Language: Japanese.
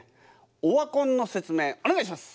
オワコンの説明お願いします。